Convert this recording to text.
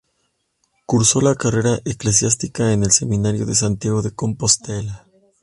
Cursó la carrera eclesiástica en el Seminario de Santiago de Compostela.